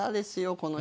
この人。